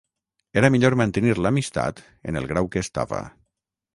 Era millor mantenir l'amistat en el grau que estava.